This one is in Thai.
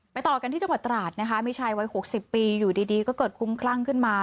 ต่อกันที่จังหวัดตราดนะคะมีชายวัย๖๐ปีอยู่ดีก็เกิดคุ้มคลั่งขึ้นมา